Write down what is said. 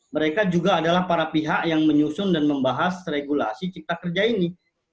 mereka juga adalah para pihak yang menyusun dan membahas regulasi cipta kerja ini